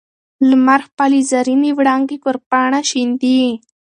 لمر خپلې زرینې وړانګې پر پاڼه شیندي.